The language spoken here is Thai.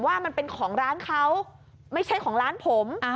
ว่ามันเป็นของร้านเขาไม่ใช่ของร้านผม